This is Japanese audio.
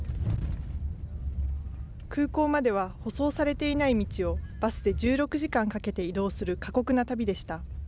空港までは舗装されていない道をバスで１６時間かけて移動する過酷な旅でした。